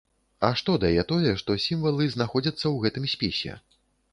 А што дае тое, што сімвалы знаходзяцца ў гэтым спісе?